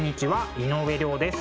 井上涼です。